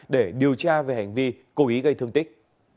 để điều tra về hành vi cố ý gây thương tích